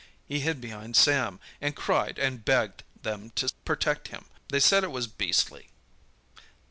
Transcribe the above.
He hid behind Sam, and cried and begged them to protect him. They said it was beastly."